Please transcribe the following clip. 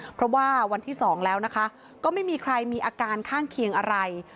เพราะว่าวันที่๒แล้วนะคะก็ไม่มีใครมีอาการข้างเคียงอะไร